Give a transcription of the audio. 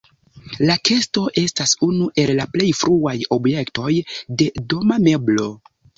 La kesto estas unu el la plej fruaj objektoj de doma meblo.